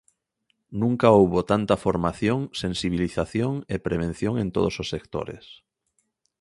Nunca houbo tanta formación, sensibilización e prevención en todos os sectores.